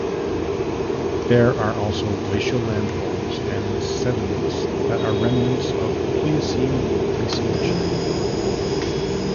There are also glacial landforms and sediments that are remnants of Pleistocene glaciation.